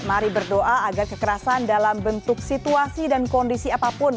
mari berdoa agar kekerasan dalam bentuk situasi dan kondisi apapun